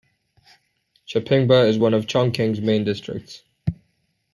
Shapingba is one of Chongqing's main districts.